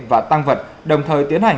và tăng vật đồng thời tiến hành